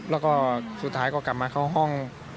แล้วก็สุดท้ายก็กลับมาเข้าห้อง